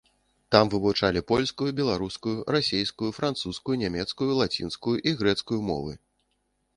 Там вывучалі польскую, беларускую, расейскую, французскую, нямецкую, лацінскую і грэцкую мовы.